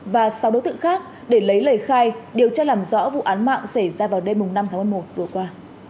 và sau đối tượng khác để lấy lời khai điều tra làm rõ vụ án mạo xảy ra vào đêm năm tháng một vừa qua